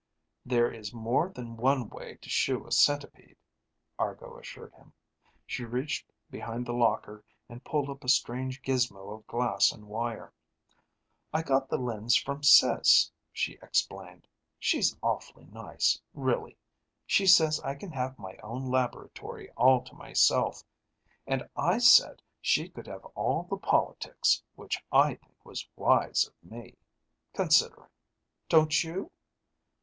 "There is more than one way to shoe a centipede," Argo assured him. She reached behind the locker and pulled up a strange gizmo of glass and wire. "I got the lens from Sis," she explained. "She's awfully nice, really. She says I can have my own laboratory all to myself. And I said she could have all the politics, which I think was wise of me, considering. Don't you?"